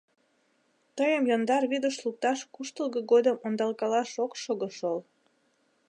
Тыйым яндар вӱдыш лукташ куштылго годым ондалкалаш ок шого шол!